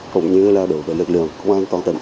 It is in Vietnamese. cũng như là đối với lực lượng công an toàn tỉnh